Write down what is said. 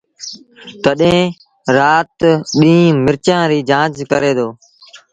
تڏهيݩ رآت ڏيݩهݩ مرچآݩ ريٚ جآݩچ ڪري دو